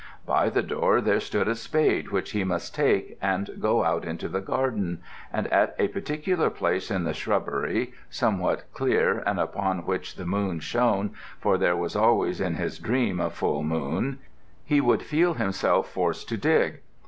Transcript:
By the door there stood a spade which he must take, and go out into the garden, and at a particular place in the shrubbery somewhat clear and upon which the moon shone, for there was always in his dream a full moon, he would feel himself forced to dig.